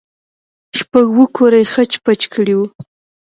شپږ اوه کوره يې خچ پچ کړي وو.